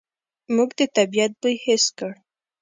موږ د طبعیت بوی حس کړ.